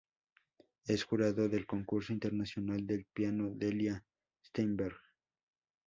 Es Jurado del Concurso Internacional de Piano Delia Steinberg.